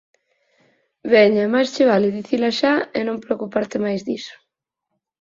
Veña, máis che vale dicila xa e non preocuparte máis diso.